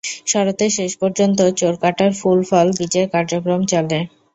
শরতের শেষ পর্যন্ত চোরকাঁটার ফুল-ফল বীজের কার্যক্রম চলে।